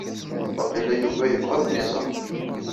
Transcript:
Waqila Yuba ibɣa ad aken-iẓer.